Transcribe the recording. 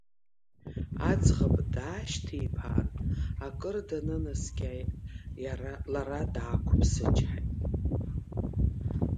Аӡӷаб даашьҭиԥаан, акыр данынаскьа, лара даақәыԥсычҳаит.